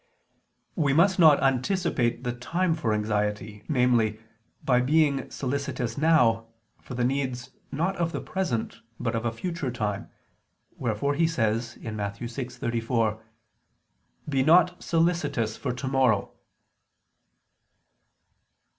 We must not anticipate the time for anxiety; namely, by being solicitous now, for the needs, not of the present, but of a future time: wherefore He says (Matt. 6:34): "Be not ... solicitous for tomorrow."